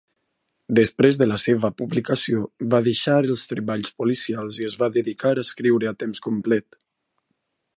Després de la seva publicació, va deixar els treballs policials i es va dedicar a escriure a temps complet.